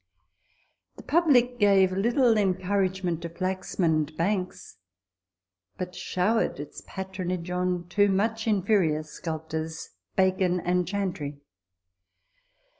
The public gave little encouragement to Flaxman and Banks, but showered its patronage on two much inferior sculptors, Bacon and Chantrey.